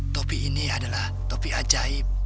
topi ini adalah topi ajaib